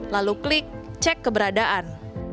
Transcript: lalu klik cek keberadaan